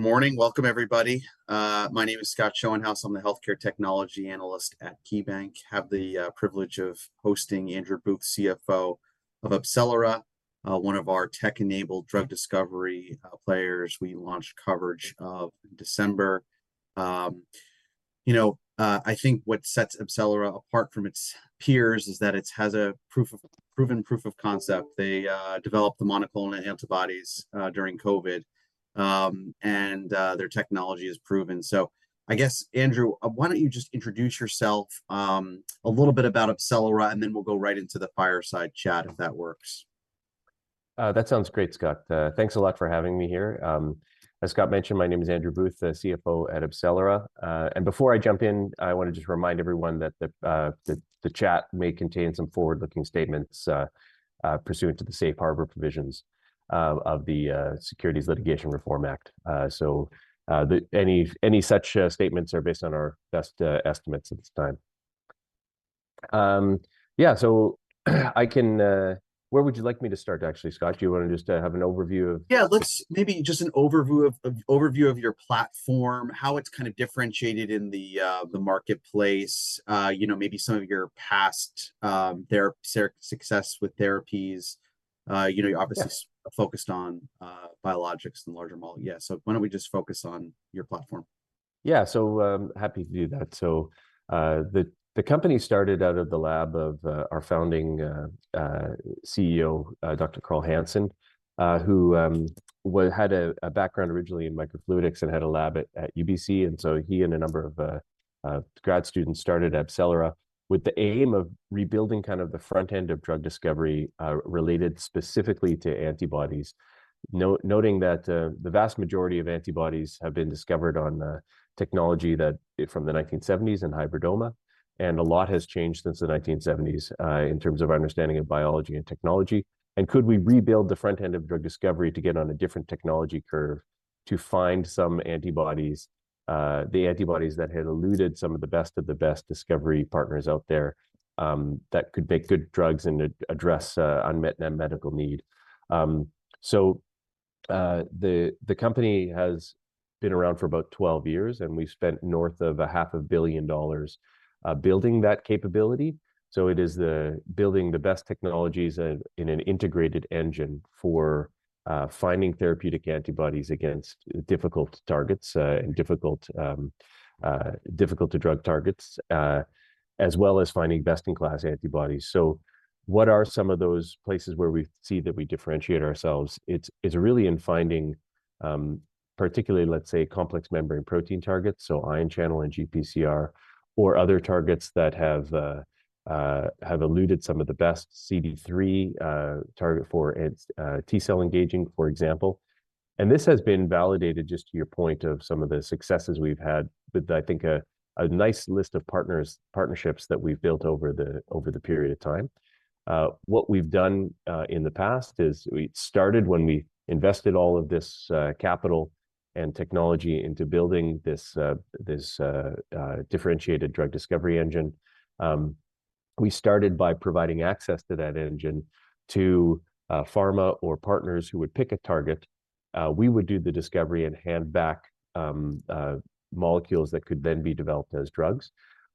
Good morning. Welcome, everybody. My name is Scott Schoenhaus. I'm the healthcare technology analyst at KeyBanc. I have the privilege of hosting Andrew Booth, CFO of AbCellera, one of our tech-enabled drug discovery players we launched coverage of in December. You know, I think what sets AbCellera apart from its peers is that it has a proven proof of concept. They developed the monoclonal antibodies during COVID. And their technology is proven. So I guess, Andrew, why don't you just introduce yourself, a little bit about AbCellera, and then we'll go right into the fireside chat, if that works. That sounds great, Scott. Thanks a lot for having me here. As Scott mentioned, my name is Andrew Booth, the CFO at AbCellera. And before I jump in, I want to just remind everyone that the chat may contain some forward-looking statements, pursuant to the Safe Harbor provisions of the Securities Litigation Reform Act. So, any such statements are based on our best estimates at this time. Yeah, so I can, where would you like me to start, actually, Scott? Do you want to just have an overview of? Yeah, let's maybe just an overview of your platform, how it's kind of differentiated in the marketplace. You know, maybe some of your past therapeutic success with therapies. You know, you're obviously focused on biologics and larger molecules. Yeah, so why don't we just focus on your platform? Yeah, so, happy to do that. So, the company started out of the lab of our Founding CEO, Dr. Carl Hansen, who had a background originally in microfluidics and had a lab at UBC. And so he and a number of grad students started AbCellera with the aim of rebuilding kind of the front end of drug discovery, related specifically to antibodies, noting that the vast majority of antibodies have been discovered on technology that from the 1970s in hybridoma. And a lot has changed since the 1970s, in terms of our understanding of biology and technology. And could we rebuild the front end of drug discovery to get on a different technology curve, to find some antibodies, the antibodies that had eluded some of the best of the best discovery partners out there, that could make good drugs and address unmet medical need? So, the company has been around for about 12 years, and we've spent north of $500 million building that capability. So it is building the best technologies in an integrated engine for finding therapeutic antibodies against difficult targets and difficult-to-drug targets, as well as finding best-in-class antibodies. So what are some of those places where we see that we differentiate ourselves? It's really in finding, particularly, let's say, complex membrane protein targets, so ion channel and GPCR, or other targets that have eluded some of the best CD3 targets for T-cell engagers, for example. And this has been validated, just to your point, of some of the successes we've had with, I think, a nice list of partnerships that we've built over the period of time. What we've done in the past is we started when we invested all of this capital and technology into building this differentiated drug discovery engine. We started by providing access to that engine to pharma or partners who would pick a target. We would do the discovery and hand back molecules that could then be developed as drugs.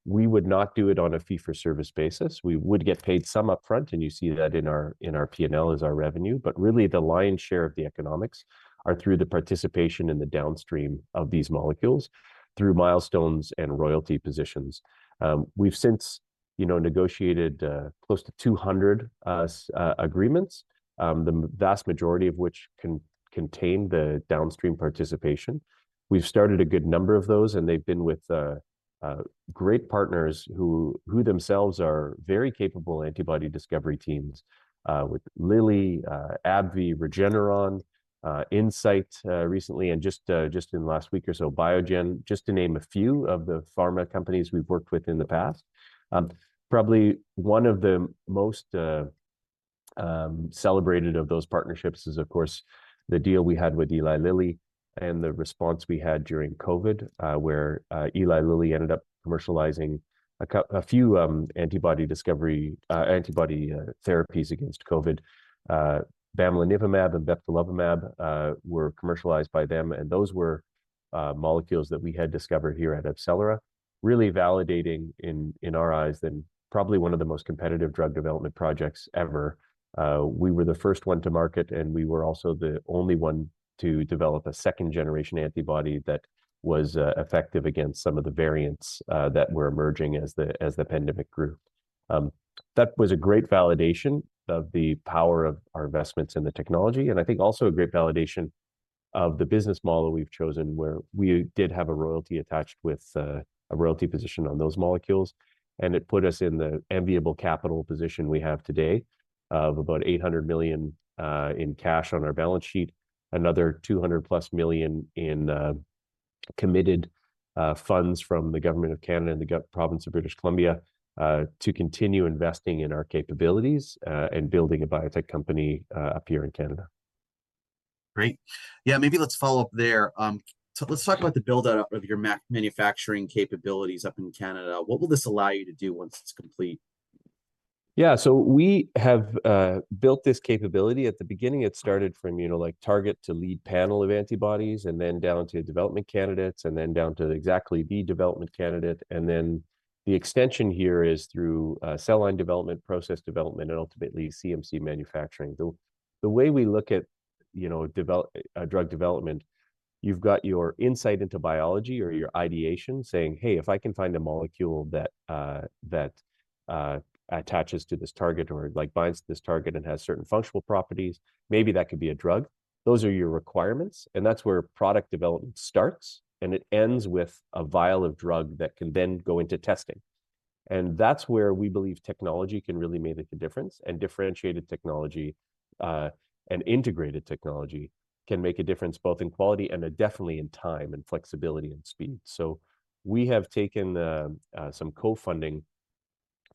We would not do it on a fee-for-service basis. We would get paid some upfront, and you see that in our P&L, is our revenue. But really, the lion's share of the economics are through the participation in the downstream of these molecules, through milestones and royalty positions. We've since, you know, negotiated close to 200 agreements, the vast majority of which can contain the downstream participation. We've started a good number of those, and they've been with great partners who themselves are very capable antibody discovery teams, with Lilly, AbbVie, Regeneron, Incyte, recently, and just in the last week or so, Biogen, just to name a few of the pharma companies we've worked with in the past. Probably one of the most celebrated of those partnerships is, of course, the deal we had with Eli Lilly and the response we had during COVID, where Eli Lilly ended up commercializing a few antibody therapies against COVID. Bamlanivimab and bebtelovimab were commercialized by them, and those were molecules that we had discovered here at AbCellera, really validating in our eyes then probably one of the most competitive drug development projects ever. We were the first one to market, and we were also the only one to develop a second-generation antibody that was effective against some of the variants that were emerging as the pandemic grew. That was a great validation of the power of our investments in the technology, and I think also a great validation of the business model we've chosen, where we did have a royalty attached with a royalty position on those molecules. It put us in the enviable capital position we have today, of about $800 million in cash on our balance sheet, another $200+ million in committed funds from the Government of Canada and the Government of British Columbia, to continue investing in our capabilities, and building a biotech company up here in Canada. Great. Yeah, maybe let's follow up there. Let's talk about the buildout of your manufacturing capabilities up in Canada. What will this allow you to do once it's complete? Yeah, so we have built this capability. At the beginning, it started from, you know, like target to lead panel of antibodies, and then down to development candidates, and then down to exactly the development candidate. Then the extension here is through cell line development, process development, and ultimately CMC manufacturing. The way we look at, you know, develop a drug development, you've got your insight into biology or your ideation saying, "Hey, if I can find a molecule that attaches to this target or like binds to this target and has certain functional properties, maybe that could be a drug." Those are your requirements. That's where product development starts. It ends with a vial of drug that can then go into testing. That's where we believe technology can really make a difference, and differentiated technology, and integrated technology can make a difference both in quality and definitely in time and flexibility and speed. So we have taken some co-funding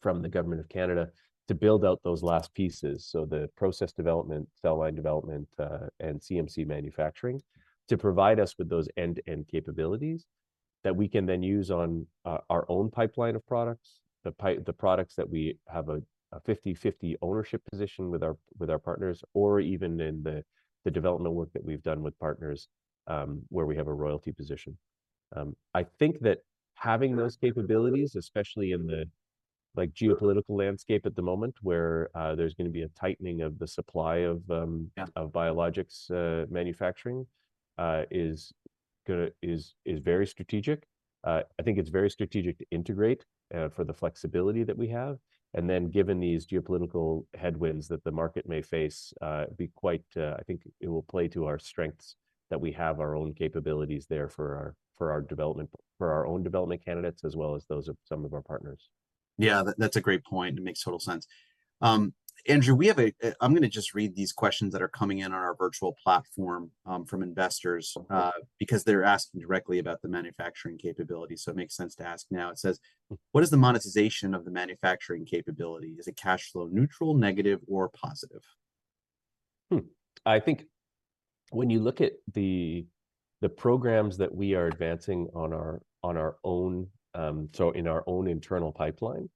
from the Government of Canada to build out those last pieces. So the process development, cell line development, and CMC manufacturing to provide us with those end-to-end capabilities that we can then use on our own pipeline of products, the pipe the products that we have a 50/50 ownership position with our partners, or even in the development work that we've done with partners, where we have a royalty position. I think that having those capabilities, especially in the like geopolitical landscape at the moment, where there's going to be a tightening of the supply of biologics manufacturing, is going to be very strategic. I think it's very strategic to integrate, for the flexibility that we have. And then given these geopolitical headwinds that the market may face, I think it will play to our strengths that we have our own capabilities there for our own development candidates, as well as those of some of our partners. Yeah, that's a great point. It makes total sense. Andrew, I'm going to just read these questions that are coming in on our virtual platform, from investors, because they're asking directly about the manufacturing capability. So it makes sense to ask now. It says, "What is the monetization of the manufacturing capability? Is it cash flow neutral, negative, or positive? I think when you look at the programs that we are advancing on our own, so in our own internal pipeline,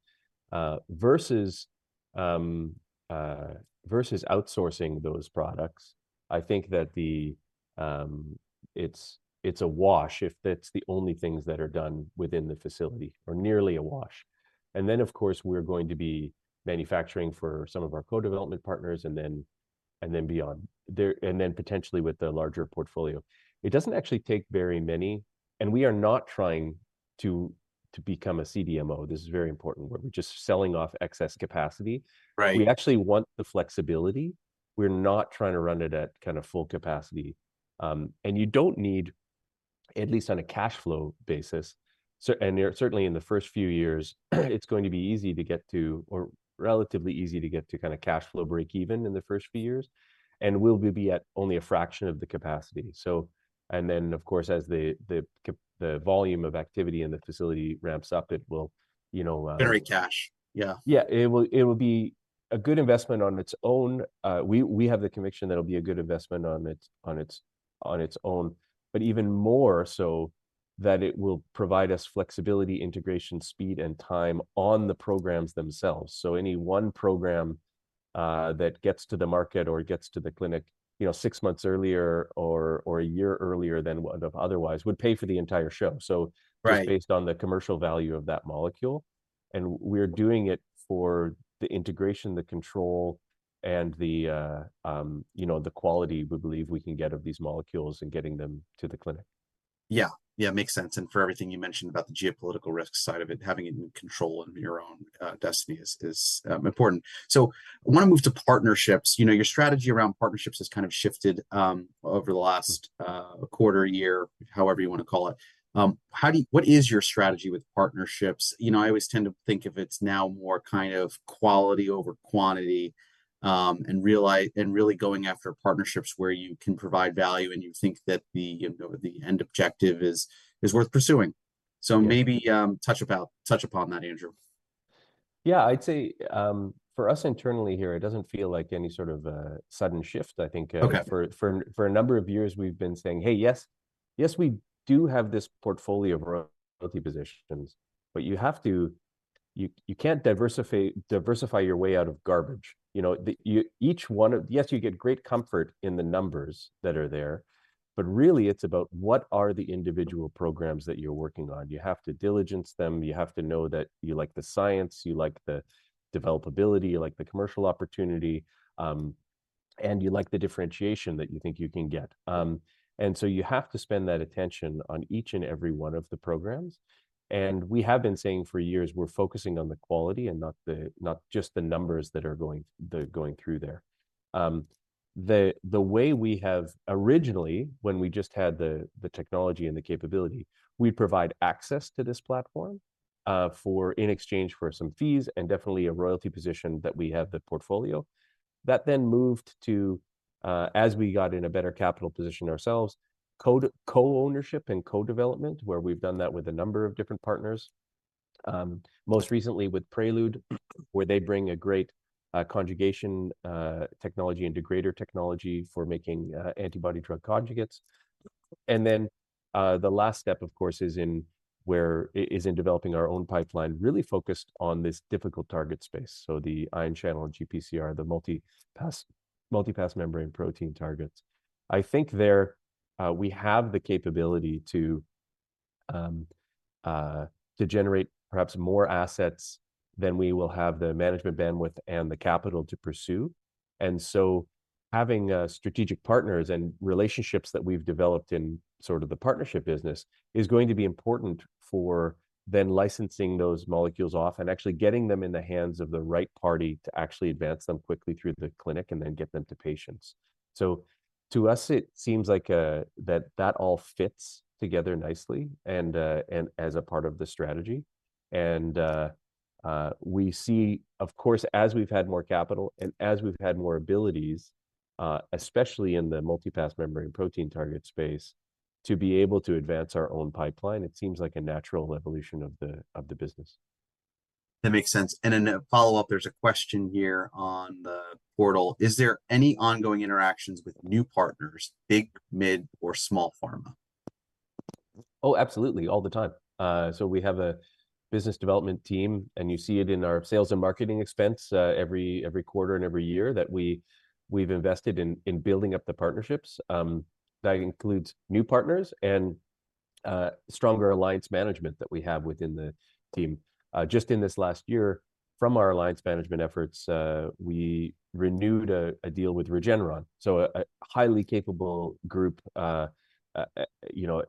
versus outsourcing those products, I think that it's a wash if that's the only things that are done within the facility, or nearly a wash. And then, of course, we're going to be manufacturing for some of our co-development partners, and then beyond there, and then potentially with the larger portfolio. It doesn't actually take very many. And we are not trying to become a CDMO. This is very important, where we're just selling off excess capacity. Right? We actually want the flexibility. We're not trying to run it at kind of full capacity. and you don't need, at least on a cash flow basis, so and certainly in the first few years, it's going to be easy to get to, or relatively easy to get to kind of cash flow break even in the first few years. And we'll be at only a fraction of the capacity. So, and then, of course, as the volume of activity in the facility ramps up, it will, you know, Very cash. Yeah. Yeah, it will be a good investment on its own. We have the conviction that it'll be a good investment on its own, but even more so that it will provide us flexibility, integration, speed, and time on the programs themselves. So any one program that gets to the market or gets to the clinic, you know, six months earlier or a year earlier than what otherwise would pay for the entire show. So it's based on the commercial value of that molecule. And we're doing it for the integration, the control, and, you know, the quality we believe we can get of these molecules and getting them to the clinic. Yeah, yeah, makes sense. And for everything you mentioned about the geopolitical risk side of it, having it in control and your own destiny is important. So I want to move to partnerships. You know, your strategy around partnerships has kind of shifted over the last quarter year, however you want to call it. What is your strategy with partnerships? You know, I always tend to think of it's now more kind of quality over quantity, and realize and really going after partnerships where you can provide value and you think that the, you know, the end objective is worth pursuing. So maybe touch upon that, Andrew. Yeah, I'd say, for us internally here, it doesn't feel like any sort of a sudden shift. I think, for a number of years, we've been saying, "Hey, yes, yes, we do have this portfolio of royalty positions." But you have to you can't diversify your way out of garbage. You know, that each one of, yes, you get great comfort in the numbers that are there. But really, it's about what are the individual programs that you're working on? You have to diligence them. You have to know that you like the science, you like the developability, you like the commercial opportunity. And you like the differentiation that you think you can get. And so you have to spend that attention on each and every one of the programs. And we have been saying for years, we're focusing on the quality and not just the numbers that are going through there. The way we have originally, when we just had the technology and the capability, we provide access to this platform in exchange for some fees and definitely a royalty position that we have the portfolio that then moved to, as we got in a better capital position ourselves, co-ownership and co-development, where we've done that with a number of different partners. Most recently with Prelude, where they bring a great conjugation technology and degrader technology for making antibody-drug conjugates. And then, the last step, of course, is developing our own pipeline really focused on this difficult target space. So the ion channel GPCR, the multi-pass multi-pass membrane protein targets, I think there, we have the capability to, to generate perhaps more assets than we will have the management bandwidth and the capital to pursue. So having a strategic partners and relationships that we've developed in sort of the partnership business is going to be important for then licensing those molecules off and actually getting them in the hands of the right party to actually advance them quickly through the clinic and then get them to patients. So to us, it seems like, that that all fits together nicely, and, and as a part of the strategy. We see, of course, as we've had more capital and as we've had more abilities, especially in the multi-pass membrane protein target space, to be able to advance our own pipeline, it seems like a natural evolution of the business. That makes sense. In a follow-up, there's a question here on the portal. Is there any ongoing interactions with new partners, big, mid, or small pharma? Oh, absolutely, all the time. So we have a business development team, and you see it in our sales and marketing expense every quarter and every year that we've invested in building up the partnerships. That includes new partners and stronger alliance management that we have within the team. Just in this last year, from our alliance management efforts, we renewed a deal with Regeneron, so a highly capable group, you know,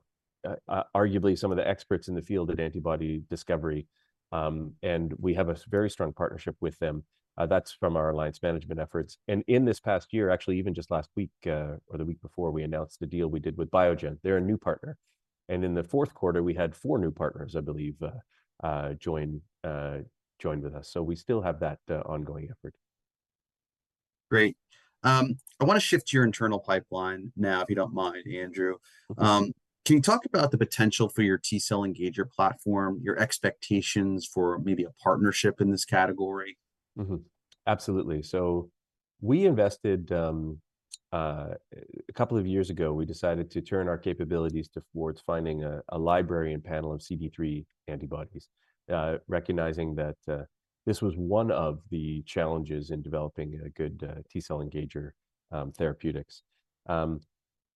arguably some of the experts in the field at antibody discovery. And we have a very strong partnership with them. That's from our alliance management efforts. And in this past year, actually, even just last week, or the week before, we announced a deal we did with Biogen, their new partner. And in the fourth quarter, we had four new partners, I believe, join with us. So we still have that ongoing effort. Great. I want to shift to your internal pipeline now, if you don't mind, Andrew. Can you talk about the potential for your T-cell engager platform, your expectations for maybe a partnership in this category? Mm-hmm, absolutely. So we invested a couple of years ago. We decided to turn our capabilities towards finding a library panel of CD3 antibodies, recognizing that this was one of the challenges in developing a good T-cell engager therapeutics.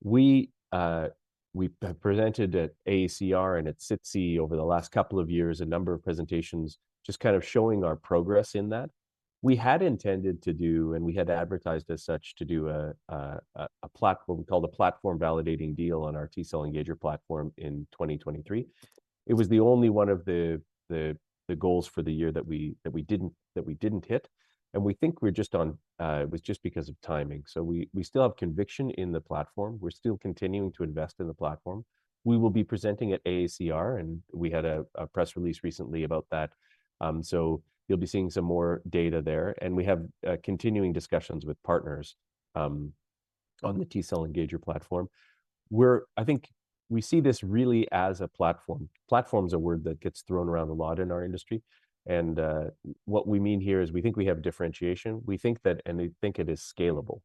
We have presented at AACR and at SITC over the last couple of years a number of presentations, just kind of showing our progress in that we had intended to do, and we had advertised as such to do a platform validating deal on our T-cell engager platform in 2023. It was the only one of the goals for the year that we didn't hit. And we think we're just on it. It was just because of timing. So we still have conviction in the platform. We're still continuing to invest in the platform. We will be presenting at AACR, and we had a press release recently about that. You'll be seeing some more data there. We have continuing discussions with partners on the T-cell engager platform. We're, I think, we see this really as a platform. Platform is a word that gets thrown around a lot in our industry. What we mean here is we think we have differentiation. We think that, and we think it is scalable.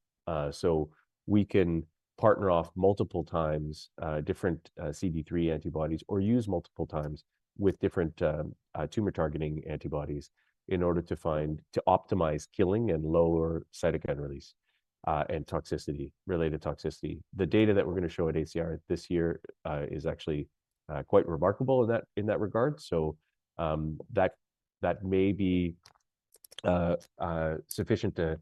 We can partner off multiple times, different CD3 antibodies or use multiple times with different tumor targeting antibodies in order to find to optimize killing and lower cytokine release, and toxicity related toxicity. The data that we're going to show at AACR this year is actually quite remarkable in that regard. So, that may be sufficient to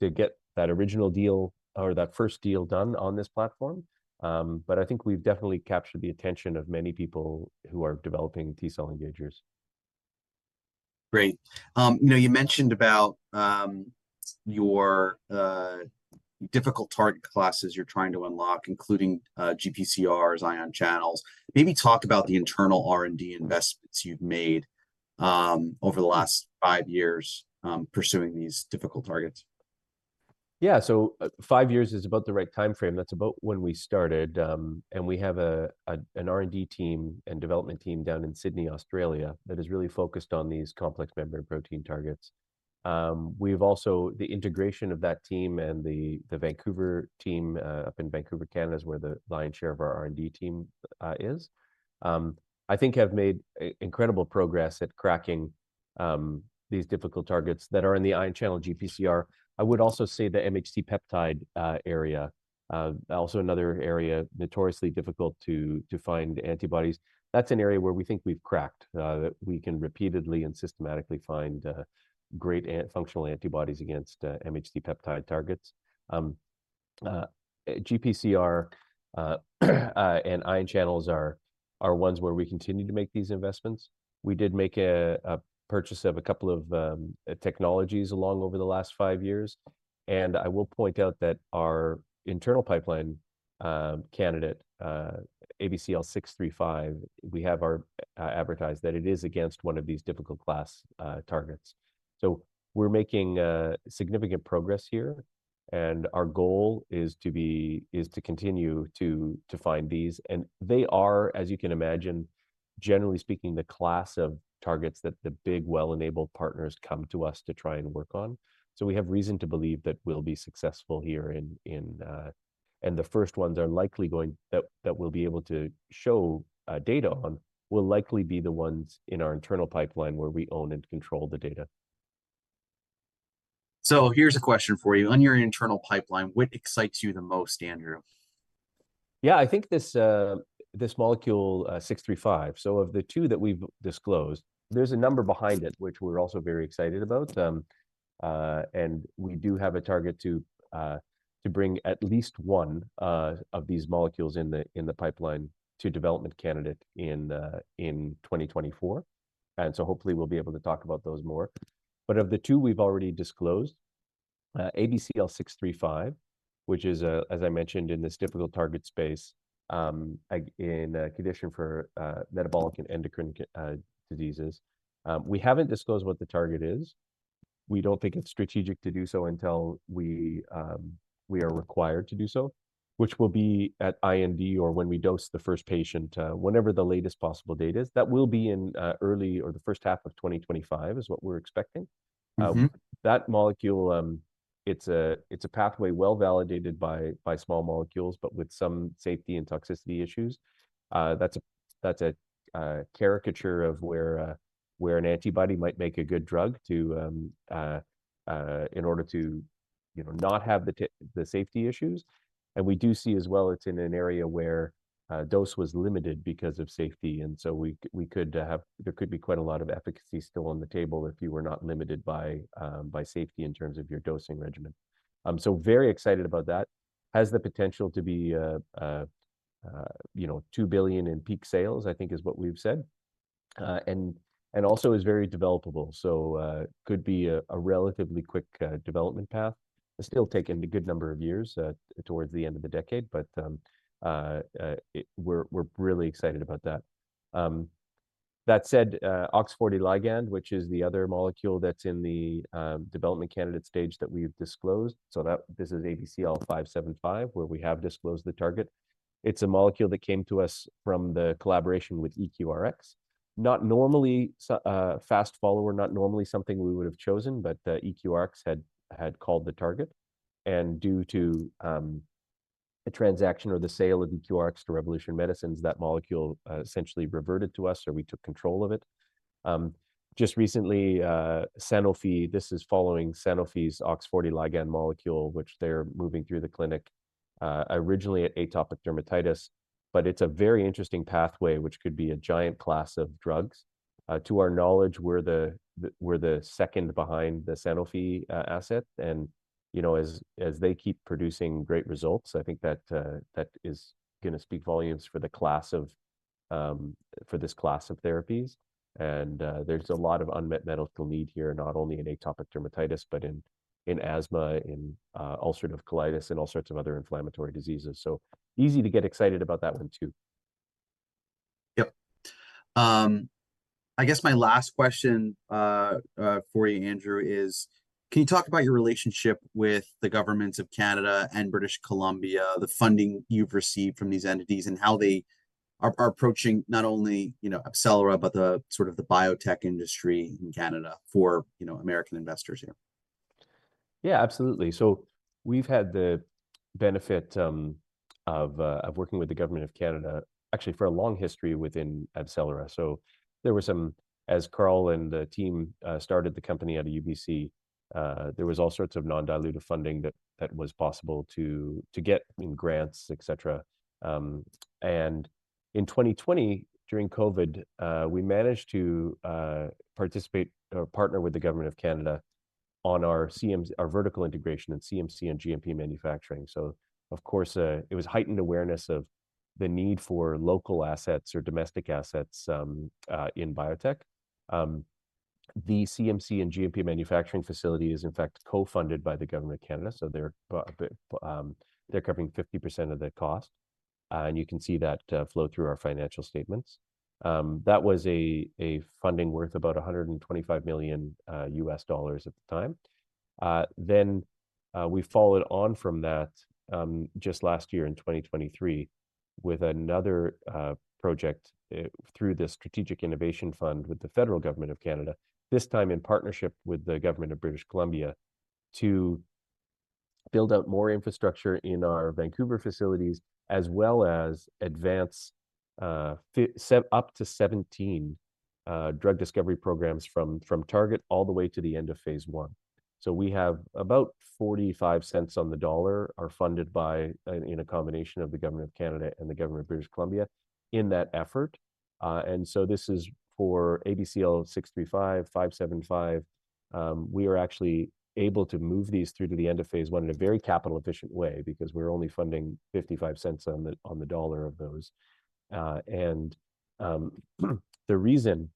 get that original deal or that first deal done on this platform. But I think we've definitely captured the attention of many people who are developing T-cell engagers. Great. You know, you mentioned about your difficult target classes you're trying to unlock, including GPCRs, ion channels. Maybe talk about the internal R&D investments you've made over the last five years pursuing these difficult targets. Yeah, so five years is about the right timeframe. That's about when we started. And we have an R&D team and development team down in Sydney, Australia, that is really focused on these complex membrane protein targets. We've also [seen] the integration of that team and the Vancouver team, up in Vancouver, Canada, is where the lion's share of our R&D team is. I think [we] have made incredible progress at cracking these difficult targets that are in the ion channel, GPCR. I would also say the MHC peptide area, also another area notoriously difficult to find antibodies. That's an area where we think we've cracked that we can repeatedly and systematically find great functional antibodies against MHC peptide targets. GPCR and ion channels are ones where we continue to make these investments. We did make a purchase of a couple of technologies along over the last five years. And I will point out that our internal pipeline candidate ABCL635, we have advertised that it is against one of these difficult class targets. So we're making significant progress here. And our goal is to continue to find these. And they are, as you can imagine, generally speaking, the class of targets that the big well-enabled partners come to us to try and work on. So we have reason to believe that we'll be successful here in, and the first ones are likely going that we'll be able to show data on will likely be the ones in our internal pipeline where we own and control the data. Here's a question for you on your internal pipeline. What excites you the most, Andrew? Yeah, I think this molecule, 635. So of the two that we've disclosed, there's a number behind it, which we're also very excited about. And we do have a target to bring at least one of these molecules in the pipeline to development candidate in 2024. And so hopefully we'll be able to talk about those more. But of the two we've already disclosed, ABCL635, which is, as I mentioned, in this difficult target space, in a condition for metabolic and endocrine diseases. We haven't disclosed what the target is. We don't think it's strategic to do so until we are required to do so, which will be at IND or when we dose the first patient, whenever the latest possible date is that will be in early or the first half of 2025 is what we're expecting. That molecule, it's a pathway well validated by small molecules, but with some safety and toxicity issues. That's a caricature of where an antibody might make a good drug in order to, you know, not have the safety issues. And we do see as well it's in an area where dose was limited because of safety. And so we could have there could be quite a lot of efficacy still on the table if you were not limited by safety in terms of your dosing regimen. So very excited about that has the potential to be, you know, $2 billion in peak sales, I think is what we've said. And also is very developable. So, could be a relatively quick development path, still taken a good number of years towards the end of the decade. But, we're really excited about that. That said, OX40 ligand, which is the other molecule that's in the development candidate stage that we've disclosed. So this is ABCL575, where we have disclosed the target. It's a molecule that came to us from the collaboration with EQRx, not normally a fast follower, not normally something we would have chosen, but EQRx had called the target. And due to a transaction or the sale of EQRx to Revolution Medicines, that molecule essentially reverted to us, or we took control of it. Just recently, Sanofi, this is following Sanofi's OX40 ligand molecule, which they're moving through the clinic, originally at atopic dermatitis. But it's a very interesting pathway, which could be a giant class of drugs. To our knowledge, we're the second behind the Sanofi asset. You know, as they keep producing great results, I think that is going to speak volumes for the class of, for this class of therapies. And, there's a lot of unmet medical need here, not only in atopic dermatitis, but in asthma, in ulcerative colitis, and all sorts of other inflammatory diseases. So easy to get excited about that one, too. Yep. I guess my last question, for you, Andrew, is, can you talk about your relationship with the governments of Canada and British Columbia, the funding you've received from these entities, and how they are approaching not only, you know, AbCellera, but the sort of biotech industry in Canada for, you know, American investors here? Yeah, absolutely. So we've had the benefit of working with the government of Canada, actually for a long history within AbCellera. So there were some, as Carl and the team started the company at a UBC, there was all sorts of non-dilutive funding that was possible to get in grants, etc. And in 2020, during COVID, we managed to participate or partner with the government of Canada on our CMC, our vertical integration and CMC and GMP manufacturing. So, of course, it was heightened awareness of the need for local assets or domestic assets in biotech. The CMC and GMP manufacturing facility is in fact co-funded by the government of Canada. So they're covering 50% of the cost. And you can see that flow through our financial statements. That was a funding worth about $125 million at the time. Then, we followed on from that, just last year in 2023, with another project through the Strategic Innovation Fund with the Federal Government of Canada, this time in partnership with the Government of British Columbia, to build out more infrastructure in our Vancouver facilities, as well as advance up to 17 drug discovery programs from target all the way to the end of phase 1. So we have about 45 cents on the dollar are funded by in a combination of the Government of Canada and the Government of British Columbia in that effort. And so this is for ABCL635, ABCL575. We are actually able to move these through to the end of phase 1 in a very capital efficient way, because we're only funding 55 cents on the dollar of those. The reason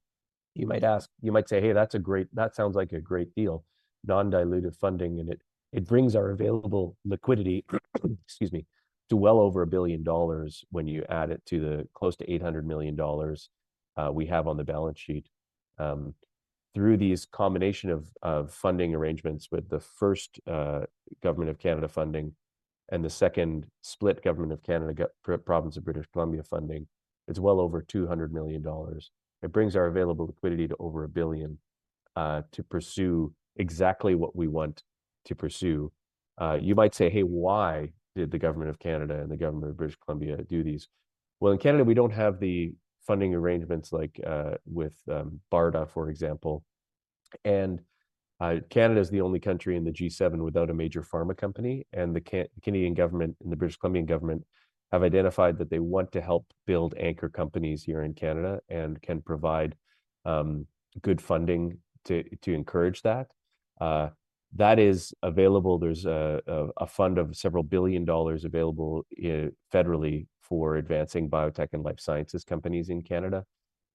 you might ask, you might say, hey, that's a great, that sounds like a great deal, non-dilutive funding, and it brings our available liquidity, excuse me, to well over $1 billion when you add it to the close to $800 million we have on the balance sheet. Through these combinations of funding arrangements with the first, Government of Canada funding, and the second, Government of Canada and Government of British Columbia funding, it's well over $200 million. It brings our available liquidity to over $1 billion, to pursue exactly what we want to pursue. You might say, hey, why did the Government of Canada and the Government of British Columbia do these? Well, in Canada, we don't have the funding arrangements like with BARDA, for example. Canada is the only country in the G7 without a major pharma company. The Canadian government and the British Columbia government have identified that they want to help build anchor companies here in Canada and can provide good funding to encourage that. That is available. There's a fund of several billion dollars available federally for advancing biotech and life sciences companies in Canada.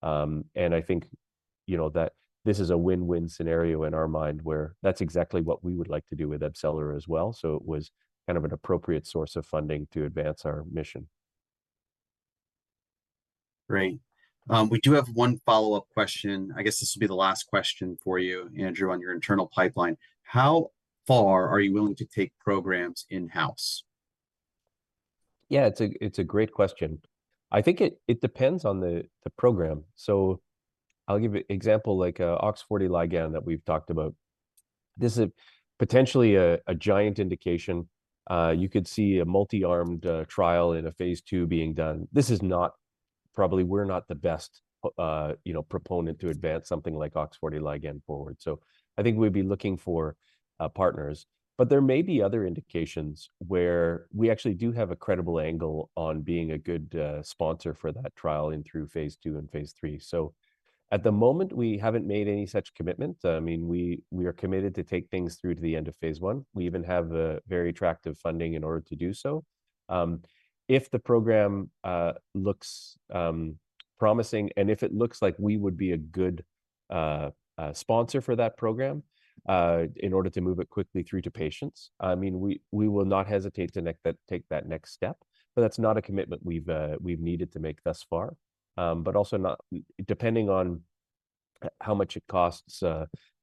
And I think, you know, that this is a win-win scenario in our mind, where that's exactly what we would like to do with AbCellera as well. So it was kind of an appropriate source of funding to advance our mission. Great. We do have one follow-up question. I guess this will be the last question for you, Andrew, on your internal pipeline. How far are you willing to take programs in-house? Yeah, it's a great question. I think it depends on the program. So I'll give an example like an OX40 ligand that we've talked about. This is potentially a giant indication. You could see a multi-armed trial in a phase 2 being done. This is probably not. We're not the best, you know, sponsor to advance something like OX40 ligand forward. So I think we'd be looking for partners. But there may be other indications where we actually do have a credible angle on being a good sponsor for that trial through phase 2 and phase 3. So at the moment, we haven't made any such commitment. I mean, we are committed to take things through to the end of phase 1. We even have a very attractive funding in order to do so. If the program looks promising, and if it looks like we would be a good sponsor for that program, in order to move it quickly through to patients, I mean, we will not hesitate to take that next step. But that's not a commitment we've needed to make thus far. But also, not depending on how much it costs,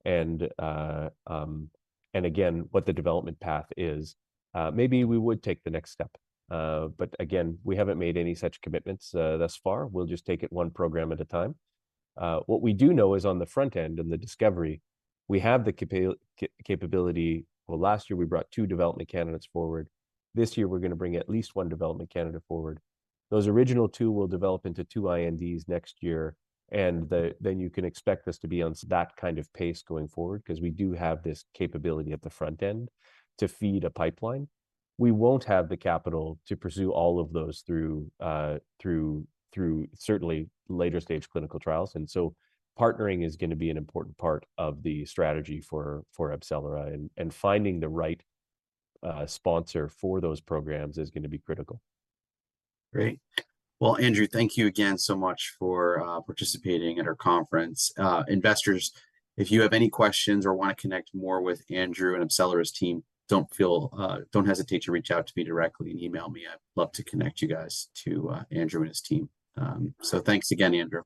and again, what the development path is, maybe we would take the next step. But again, we haven't made any such commitments thus far. We'll just take it one program at a time. What we do know is on the front end and the discovery, we have the capability. Well, last year we brought two development candidates forward. This year we're going to bring at least one development candidate forward. Those original two will develop into two INDs next year. Then you can expect us to be on that kind of pace going forward, because we do have this capability at the front end to feed a pipeline. We won't have the capital to pursue all of those through certainly later stage clinical trials. So partnering is going to be an important part of the strategy for AbCellera, and finding the right sponsor for those programs is going to be critical. Great. Well, Andrew, thank you again so much for participating at our conference. Investors, if you have any questions or want to connect more with Andrew and AbCellera's team, don't hesitate to reach out to me directly and email me. I'd love to connect you guys to Andrew and his team. Thanks again, Andrew.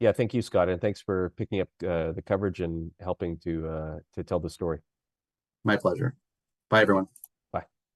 Yeah, thank you, Scott. Thanks for picking up the coverage and helping to tell the story. My pleasure. Bye, everyone. Bye.